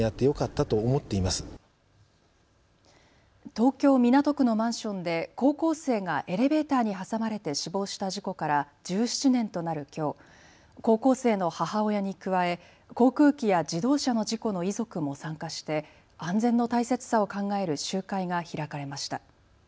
東京港区のマンションで高校生がエレベーターに挟まれて死亡した事故から１７年となるきょう、高校生の母親に加え航空機や自動車の事故の遺族も参加して安全の大切さを考える集会が開かれました。